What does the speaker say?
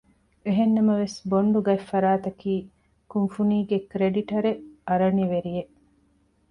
އެހެންނަމަވެސް ބޮންޑު ގަތްފަރާތަކީ ކުންފުނީގެ ކްރެޑިޓަރެއް އަރަނިވެރި އެއް